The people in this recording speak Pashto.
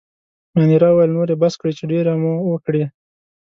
مانیرا وویل: نور يې بس کړئ، چې ډېرې مو وکړې.